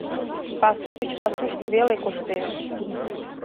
- Пасу гыч пасушко веле коштеш.